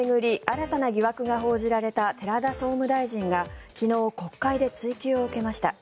新たな疑惑が報じられた寺田総務大臣が昨日、国会で追及を受けました。